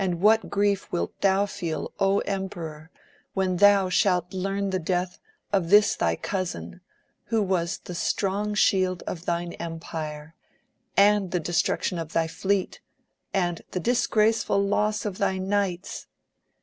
hat grief%.Ut thou fed em peror when thou shalt learn the death of this thy cousin, who was the strong shield of thine empire, and the destruction of thy fleet, and the disgraceful loss of thy knights.